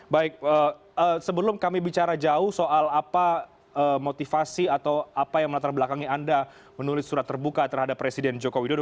baik sebelum kami bicara jauh soal apa motivasi atau apa yang melatar belakangi anda menulis surat terbuka terhadap presiden joko widodo